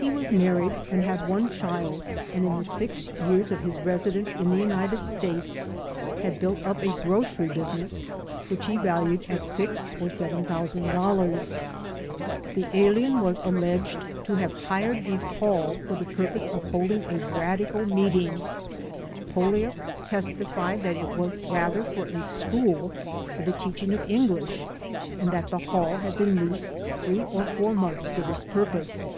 He was married and had one child and in the six years of his residence in the United States had built up a grocery business which he valued at $6,000 or $7,000. The alien was alleged to have hired a hall for the purpose of hold ing a radical meeting. * Poliuk testified that it was rather for a school for the teaching of English and that the hall had been leased three or four months for this pur pose.